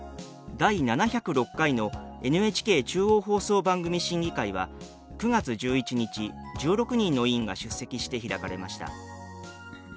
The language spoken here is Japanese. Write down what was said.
第７０６回のＮＨＫ中央放送番組審議会は９月１１日１６人の委員が出席して開かれました。